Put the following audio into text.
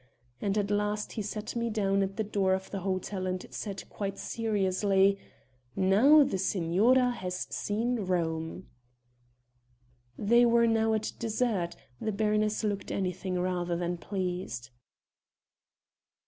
And at last he set me down at the door of the hotel and said quite seriously: 'Now the signora has seen Rome.'" They were now at dessert; the baroness looked anything rather than pleased.